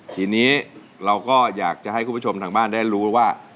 ทีนี้เราก็อยากจะให้คุณผู้ชมทางบ้านได้รู้ว่า